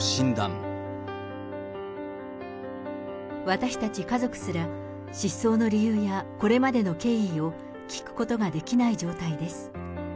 私たち家族すら、失踪の理由やこれまでの経緯を聞くことができない状態です。